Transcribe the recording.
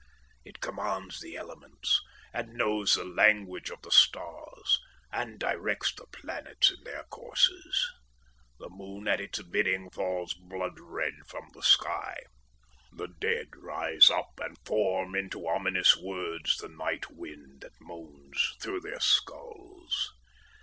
It commands the elements, and knows the language of the stars, and directs the planets in their courses. The moon at its bidding falls blood red from the sky. The dead rise up and form into ominous words the night wind that moans through their skulls.